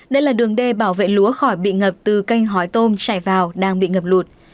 đây là đường đê bảo vệ lúa khỏi bị ngập từ kênh hói tôm chảy vào đang bị ngập lụt